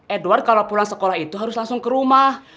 edward kalau pulang sekolah itu harus langsung ke rumah